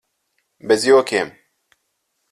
Bez jokiem?